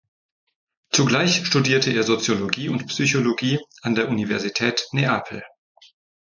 Zugleich studierte er Soziologie und Psychologie an der Universität Neapel.